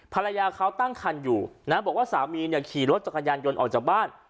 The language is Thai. ภรรยาเขาตั้งคันอยู่นะบอกว่าสามีเนี่ยขี่รถจักรยานยนต์ออกจากบ้าน